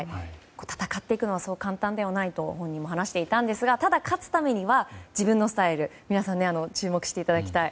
戦っていくのはそう簡単ではないと本人も話していたんですがただ、勝つためには自分のスタイル皆さんに注目していただきたい。